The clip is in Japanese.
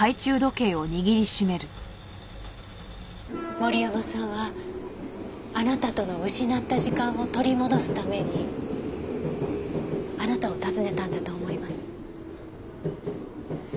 森山さんはあなたとの失った時間を取り戻すためにあなたを訪ねたんだと思います。